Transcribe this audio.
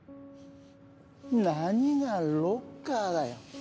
何がロッカーだよ。